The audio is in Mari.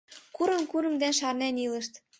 Курым-курым дене шарнен илышт...